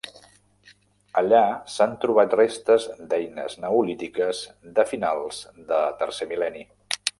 Allà s'han trobat restes d'eines neolítiques de finals de tercer mil·lenni.